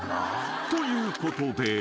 ［ということで］